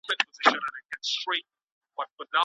په حنفي مذهب کي د مخطي طلاق قضاءً واقع دی.